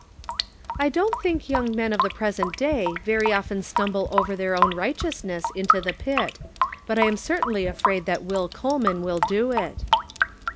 " I don't think young men of the present day very often stumble over their own righteous ness into the pit ; but I am certainly afraid that Will Coleman will do it."